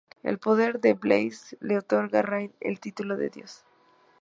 El poder de Blaze le otorgo a Rain el título de Dios.